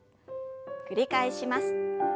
繰り返します。